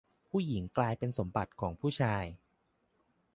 ผู้หญิงกลายเป็นสมบัติของผู้ชาย